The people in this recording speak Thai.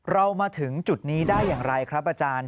เรามาถึงจุดนี้ได้อย่างไรครับอาจารย์